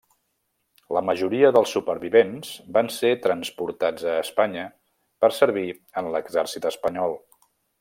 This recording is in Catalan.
La majoria dels supervivents van ser transportats a Espanya per servir en l'exèrcit espanyol.